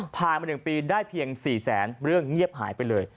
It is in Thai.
ผ่านมา๑ปีได้เพียง๔แสนเรื่องเงียบหายไปเลย